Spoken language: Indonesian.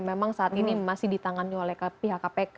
memang saat ini masih ditangani oleh ktp